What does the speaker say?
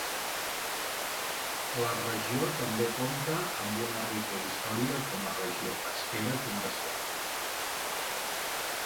La regió també compta amb una rica història com a regió pesquera comercial.